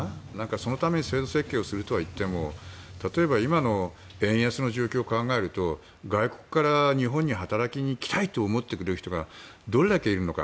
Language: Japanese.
そのために制度設計するといっても例えば今の円安の状況を考えると外国から日本に働きに来たいと思ってくれる人がどれだけいるのか。